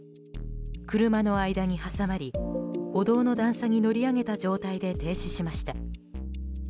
車の間に挟まり歩道の段差に乗り上げた状態で停止しました。